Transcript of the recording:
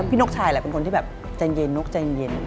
นกชายแหละเป็นคนที่แบบใจเย็นนกใจเย็น